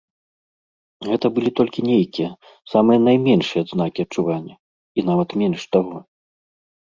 Гэта былі толькі нейкія, самыя найменшыя адзнакі адчування, і нават менш таго.